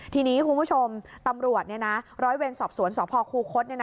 ทีนี้คุณผู้ชมตำรวจร้อยเวรสอบสวนสพคูคศ